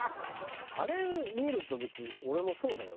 あれ見ると別に俺もそうだよ。